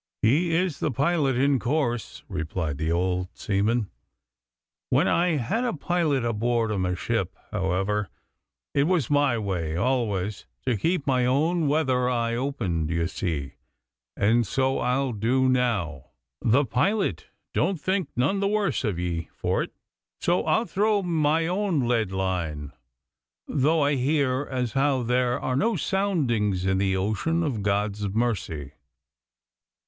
'He is the pilot, in course,' replied the old seaman. 'When I had a pilot aboard o' my ship, however, it was my way always to keep my own weather eye open, d'ye see, and so I'll do now. The pilot don't think none the worse of ye for it. So I'll throw my own lead line, though I hear as how there are no soundings in the ocean of God's mercy.